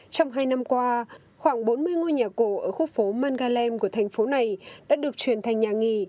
trong hai năm qua khoảng bốn mươi ngôi nhà cổ ở khu phố manggalem của thành phố này đã được chuyển thành nhà nghỉ